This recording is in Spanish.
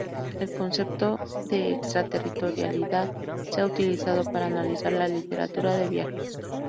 El concepto de extraterritorialidad se ha utilizado para analizar la literatura de viajes.